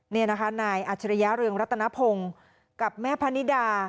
นี่นะคะนายอัจฉริยะเรืองรัตนพงศ์กับแม่พะนิดา